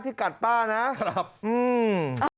กัดป้านะครับอืม